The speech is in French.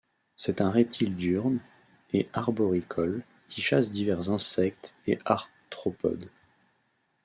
C'est un reptile diurne et arboricole, qui chasse divers insectes et arthropodes.